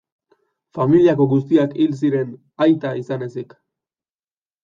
Familiako guztiak hil ziren, aita izan ezik.